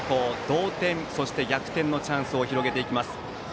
同点、逆転のチャンスを広げていきます。